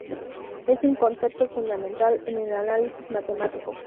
Es un concepto fundamental en el análisis matemático.